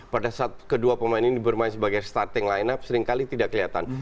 pada saat kedua pemain ini bermain sebagai starting line up seringkali tidak kelihatan